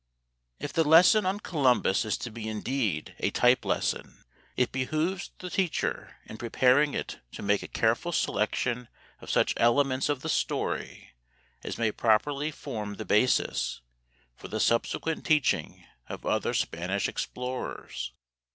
If the lesson on Columbus is to be indeed a type lesson, it behooves the teacher in preparing it to make a careful selection of such elements of the story as may properly form the basis for the subsequent teaching of other Spanish explorers.